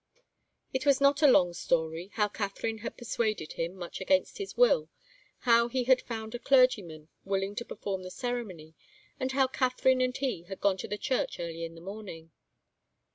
It was not a long story how Katharine had persuaded him, much against his will, how he had found a clergyman willing to perform the ceremony, and how Katharine and he had gone to the church early in the morning.